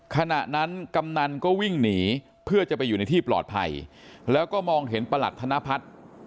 ขณะนั้นกำนันก็วิ่งหนีเพื่อจะไปอยู่ในที่ปลอดภัยแล้วก็มองเห็นประหลัดธนพัฒน์